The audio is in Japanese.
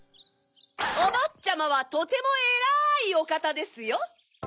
おぼっちゃまはとてもえらいおかたですよ！